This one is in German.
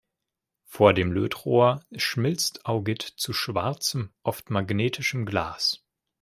Vor dem Lötrohr schmilzt Augit zu schwarzem, oft magnetischem Glas.